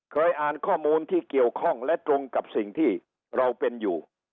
เคยอ่านข้อมูลที่เกี่ยวข้องและตรงกับสิ่งที่เราเป็นอยู่